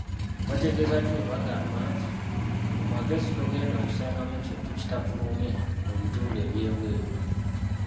Bategeeza ki bwe bagamba nti: Mu magezi togenda kusangamu kintu kitafulumye mu bitundu by'ebweru?